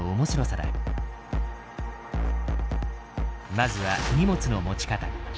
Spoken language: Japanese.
まずは荷物の持ち方。